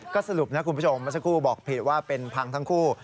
ก็สรุปนะคุณผู้ชมเมื่อสักครู่บอกผิดว่าเป็นพังทั้งคู่